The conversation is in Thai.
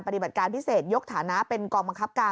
ปฏิบัติการพิเศษยกฐานะเป็นกองบังคับการ